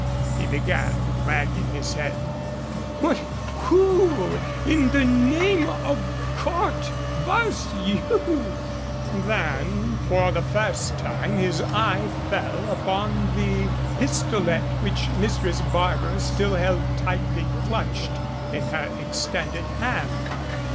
he began wagging his head "but who in de name o' Cott vhas you?" Then for the first time his eye fell upon the pistolet which Mistress Barbara still held tightly clutched in her extended hand.